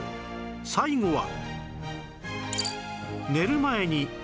最後は